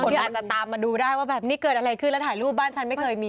ที่อาจจะตามมาดูได้ว่าแบบนี้เกิดอะไรขึ้นแล้วถ่ายรูปบ้านฉันไม่เคยมี